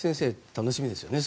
楽しみですよね